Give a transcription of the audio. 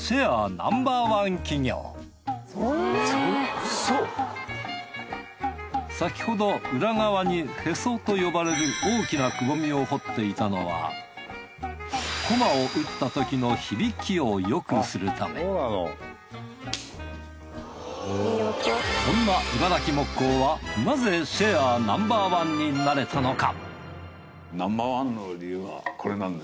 ＮＯ．１企業先ほど裏側にへそと呼ばれる大きなくぼみを彫っていたのはそんな茨城木工はなぜシェアナンバー１になれたのか？